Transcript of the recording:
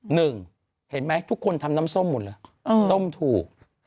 หนึ่งเห็นไหมทุกคนทำน้ำส้มหมดเลยส้มถูก